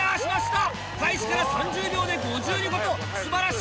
開始から３０秒で５２個と素晴らしいペース！